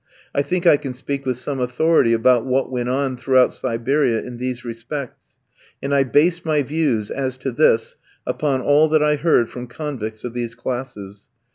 I think I can speak with some authority about what went on throughout Siberia in these respects, and I based my views, as to this, upon all that I heard from convicts of these classes.